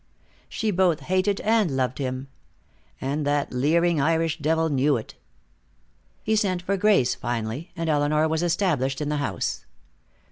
She both hated him and loved him. And that leering Irish devil knew it. He sent for Grace, finally, and Elinor was established in the house.